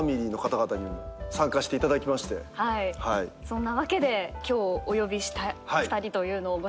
そんなわけで今日お呼びした２人をご紹介します。